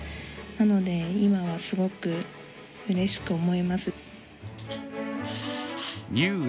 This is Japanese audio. なので今はすごくうれしく思います。